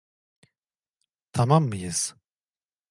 Tamam mıyız?